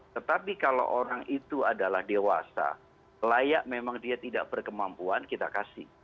tetapi kalau orang itu adalah dewasa layak memang dia tidak berkemampuan kita kasih